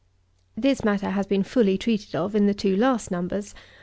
This matter has been fully treated of in the two last numbers.